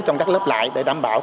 trong các lớp lại để đảm bảo